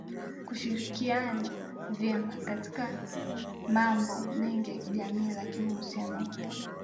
kushirikiana vema katika mambo mengi ya kijamii lakini uhusiano huo